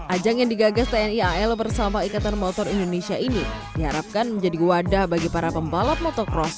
ajang yang digagas tni al bersama ikatan motor indonesia ini diharapkan menjadi wadah bagi para pembalap motocross